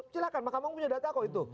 silahkan makamah umumnya data kok itu